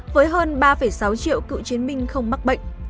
với hơn ba sáu triệu cựu chiến binh không mắc bệnh